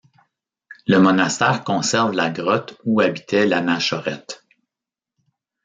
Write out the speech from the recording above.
Le monastère conserve la grotte où habitait l'anachorète.